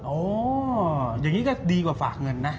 อ๋ออย่างนี้ก็ดีกว่าฝากเงินนะ